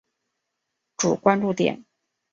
主关注点。